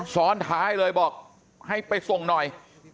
ซ้อนท้ายเลยบอกให้ไปส่งหน่อย